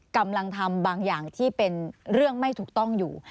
กำลังทำบางอย่างที่เป็นเรื่องไม่ถูกต้องอยู่